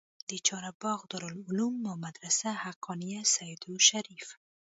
د چارباغ دارالعلوم او مدرسه حقانيه سېدو شريف